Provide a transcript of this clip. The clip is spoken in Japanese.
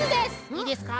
いいですか？